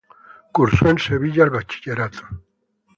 Cursó en Sevilla el bachillerato.